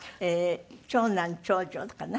長男長女かな？